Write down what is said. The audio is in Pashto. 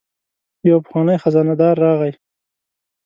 یو پخوانی خزانه دار راغی.